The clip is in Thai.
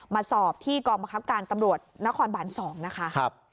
มาสอบที่กองบังคับการตำรวจนครบาน๒นะคะ